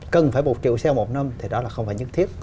cần phải một triệu xe một năm thì đó là không phải nhất thiết